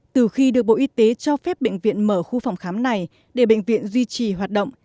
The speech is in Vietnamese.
từ khi được bộ y tế cho phép bệnh viện mở khu phòng khám này để bệnh viện duy trì hoạt động